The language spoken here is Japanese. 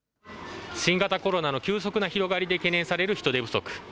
新型コロナの急速な広がりで懸念される人手不足。